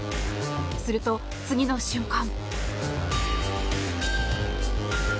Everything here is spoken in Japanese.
すると、次の瞬間。